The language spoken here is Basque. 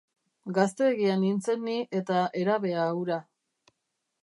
Gazteegia nintzen ni eta herabea hura.